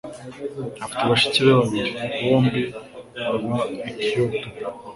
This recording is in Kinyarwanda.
Afite bashiki be babiri. Bombi baba i Kyoto.